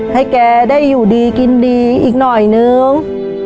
ให้แกได้อยู่ดีกินดีอีกหน่อยนึง